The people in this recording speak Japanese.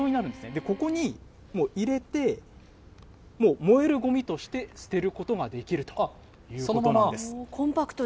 で、ここに入れて、燃えるごみとして捨てることができるということなそのまま。